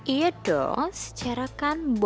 iya dong secara kan